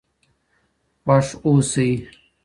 خوښ اوسئ.